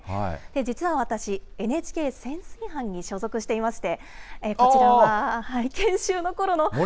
実は私、ＮＨＫ潜水班に所属していまして、こちらが研修のころの。